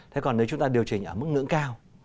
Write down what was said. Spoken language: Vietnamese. thế còn nếu chúng ta điều chỉnh ở mức ngưỡng cao